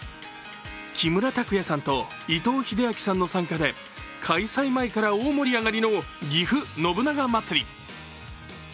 木村拓哉さんと、伊藤英明さんの参加で、開催前から大盛り上がりのぎふ信長まつり。